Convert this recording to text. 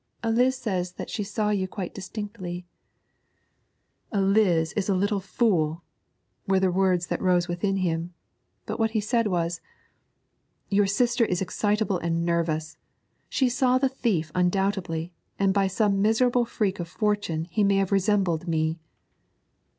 'Eliz says that she saw you quite distinctly.' 'Eliz is a little fool,' were the words that arose within him, but what he said was, 'Your sister is excitable and nervous; she saw the thief undoubtedly, and by some miserable freak of fortune he may have resembled me.'